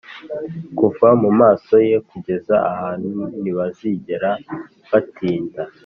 kuva mumaso ye kugeza ahantu ntibazigera batinda.